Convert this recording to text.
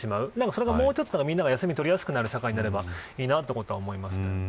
それがもうちょっとに長い休みを取りやすくなる社会なればいいなと思います。